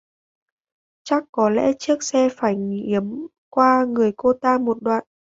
Chắc có lẽ chiếc xe phải nghiếm qua người cô ta một đoạn